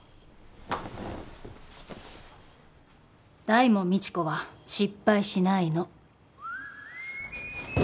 大門未知子は失敗しないの。